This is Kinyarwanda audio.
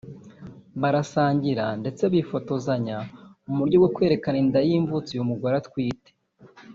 barasangira ndetse bifotozanya mu buryo bwo kwerekana inda y’imvutsi uyu mugore atwite